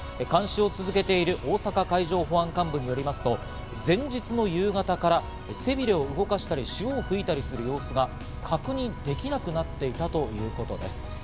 監視を続けている大阪海上保安監部によりますと、前日の夕方から背びれを動かしたり、潮を吹いたりする様子が確認できなくなっていたということです。